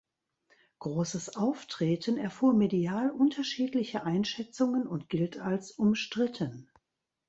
Großes Auftreten erfuhr medial unterschiedliche Einschätzungen und gilt als umstritten.